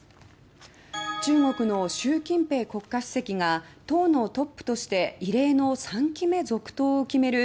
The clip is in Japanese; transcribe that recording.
中国の習近平国家主席が党のトップとして異例の３期目続投を決める